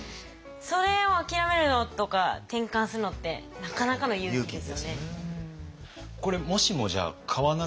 それを諦めるのとか転換するのってなかなかの勇気ですよね。